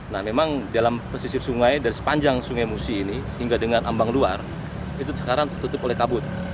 nah memang dalam pesisir sungai dari sepanjang sungai musi ini sehingga dengan ambang luar itu sekarang tertutup oleh kabut